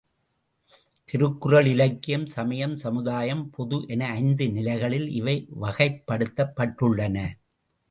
திருக்குறள் இலக்கியம் சமயம் சமுதாயம் பொது என ஐந்து நிலைகளில் இவை வகைப்படுத்தப்பட்டுள்ளன.